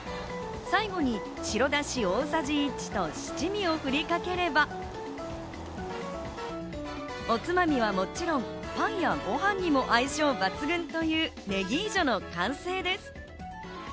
最後に白だし大さじ１と、七味を振りかければおつまみはもちろん、パンやご飯にも相性抜群というネギージョの完成です。